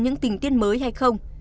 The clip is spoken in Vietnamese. những tình tiết mới hay không